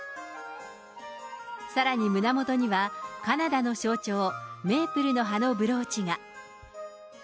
さらに、胸もとにはカナダの象徴、メープルの葉のブローチが。